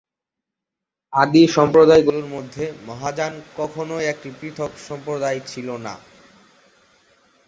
আদি সম্প্রদায়গুলির মধ্যে মহাযান কখনই একটি পৃথক সম্প্রদায় ছিল না।